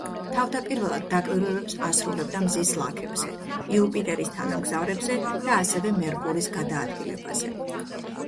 თავდაპირველად დაკვირვებებს ასრულებდა მზის ლაქებზე, იუპიტერის თანამგზავრებზე და ასევე მერკურის გადაადგილებაზე.